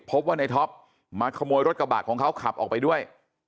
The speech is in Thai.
พบว่าในท็อปมาขโมยรถกระบะของเขาขับออกไปด้วย